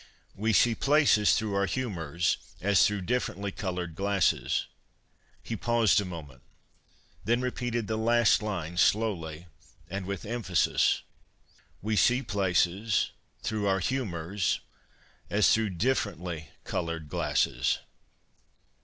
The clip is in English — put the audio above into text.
We see places through our humours as through differently coloured glasses." ' He paused a moment, then repeated the last line slowly and with emphasis :' We see places through our humours as through differently coloured glasses.'